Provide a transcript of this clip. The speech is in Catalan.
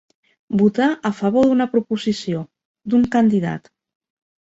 Votar a favor d'una proposició, d'un candidat.